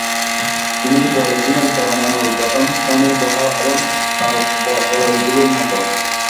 তিনি বলেছিলেন পরমাণুর গঠন শনি গ্রহ এবং তার বলয়গুলোর মত।